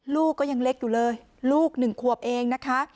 ลูกก็ยังเล็กอยู่เลยลูกหนึ่งขวบเองนะคะ